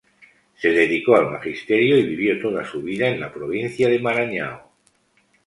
Se dedicó al magisterio y vivió toda su vida en la provincia de Maranhão.